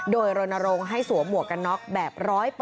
โดยรณรงค์ให้สวมหมวกกันน็อกแบบ๑๐๐